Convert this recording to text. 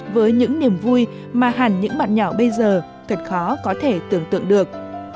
với những niềm vui mà hẳn những bạn nhỏ bây giờ thật khó có thể tưởng tượng được